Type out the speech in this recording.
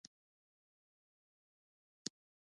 افغانستان باید څنګه اباد شي؟